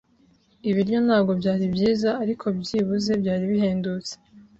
Ibiryo ntabwo byari byiza, ariko byibuze byari bihendutse.